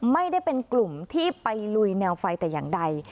ไม่ได้เป็นกลุ่มที่ไปลุยแนวไฟแต่อย่างใด